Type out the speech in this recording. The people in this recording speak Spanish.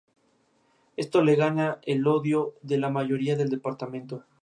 Esto le gana el odio de la mayoría del Departamento.